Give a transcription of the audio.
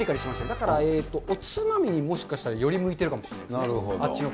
だから、おつまみによりむいてるかもしれないですね。